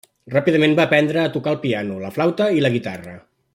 Ràpidament va aprendre a tocar el piano, la flauta i la guitarra.